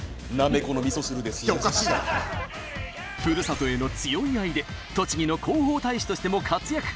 ふるさとへの強い愛で栃木の広報大使としても活躍。